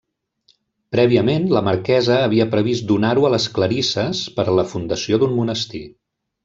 Prèviament, la marquesa havia previst donar-ho a les clarisses per a la fundació d'un monestir.